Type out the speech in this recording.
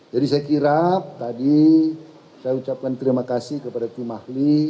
jadi saya kira tadi saya ucapkan terima kasih kepada tim ahli